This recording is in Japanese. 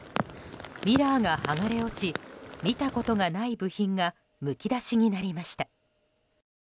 ミラーが剥がれ落ち見たことがない部品がむき出しになりました。